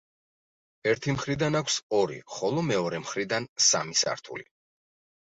ერთი მხრიდან აქვს ორი, ხოლო მეორე მხრიდან სამი სართული.